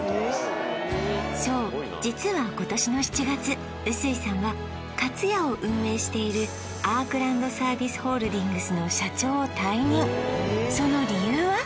そう実は今年の７月臼井さんはかつやを運営しているアークランドサービスホールディングスのその理由は？